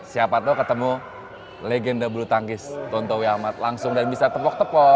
siapa tau ketemu legenda bulu tangkis tonto wi ahmad langsung dan bisa tepok tepok